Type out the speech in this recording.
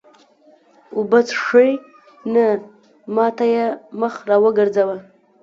اوبه څښې؟ نه، ما ته یې مخ را وګرځاوه.